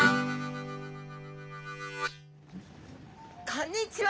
こんにちは！